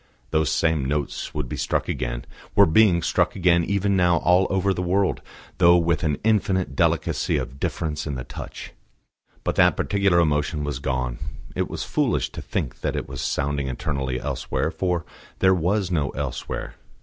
Those same notes would be struck again, were being struck again even now all over the world, though with an infinite delicacy of difference in the touch; but that particular emotion was gone: it was foolish to think that it was sounding eternally elsewhere, for there was no elsewhere.